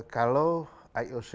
kalau ioc itu mendorong kembali